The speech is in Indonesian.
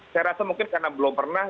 saya rasa mungkin karena belum pernah